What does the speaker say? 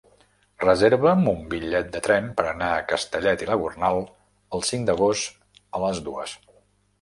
Reserva'm un bitllet de tren per anar a Castellet i la Gornal el cinc d'agost a les dues.